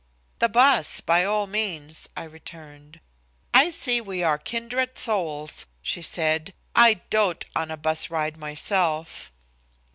"The bus by all means," I returned. "I see we are kindred souls," she said. "I dote on a bus ride myself."